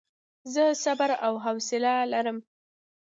زه صبر او حوصله لرم.